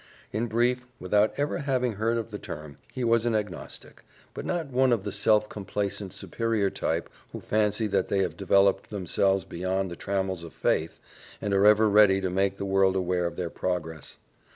In brief, without ever having heard of the term, he was an agnostic, but not one of the self complacent, superior type who fancy that they have developed themselves beyond the trammels of faith and are ever ready to make the world aware of their progress.